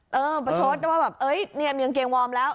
เออประชดว่าแบบเนี่ยเหมืองเกงวอร์มแล้ว